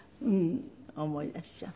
思い出しちゃう？